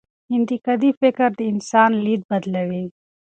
انتقادي فکر د انسان لید بدلوي.